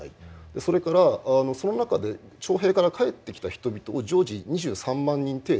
それからその中で徴兵から帰ってきた人々を常時２３万人程度